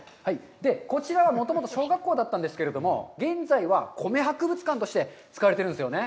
こちらはもともと小学校だったんですけれども、現在は「米博物館」として使われてるんですよね。